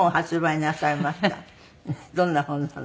どんな本なの？